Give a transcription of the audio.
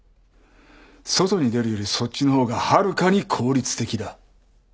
外に出るよりそっちのほうがはるかに効率的だ。